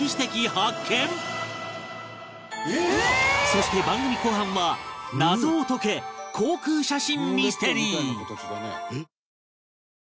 そして番組後半は謎を解け航空写真ミステリー